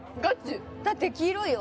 だって黄色いよ